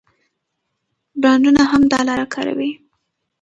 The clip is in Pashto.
برانډونه هم دا لاره کاروي.